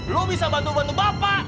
lo bisa bantu bantu bapak